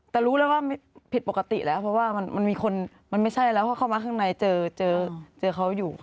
แต่รู้แล้วว่าผิดปกติแล้วเพราะว่ามันมีคนมันไม่ใช่แล้วเพราะเข้ามาข้างในเจอเขาอยู่